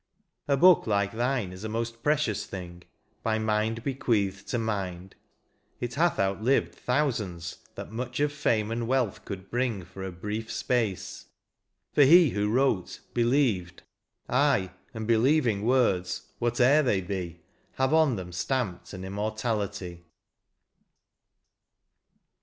A book like thine is a most precious thing By mind bequeathed to mind ; it hath outlived Thousands that much of fame and wealth could bring For a brief space ; for he who wrote, believed. Aye, and believing words, whate'er they be, Have on them stamped an immortality.